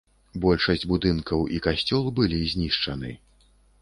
Большасць будынкаў і касцёл былі знішчаны.